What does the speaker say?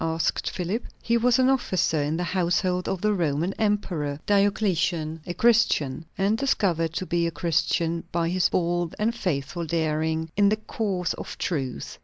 asked Philip. "He was an officer in the household of the Roman emperor, Diocletian; a Christian; and discovered to be a Christian by his bold and faithful daring in the cause of truth.